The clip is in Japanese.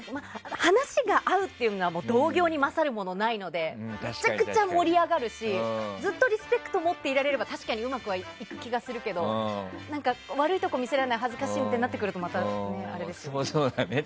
話が合うっていうのは同業に勝るものはないのでめちゃくちゃ盛り上がるしずっとリスペクトを持っていられれば確かにうまくいく気がするけど悪いところ見せられない恥ずかしいってなるとそりゃそうだね。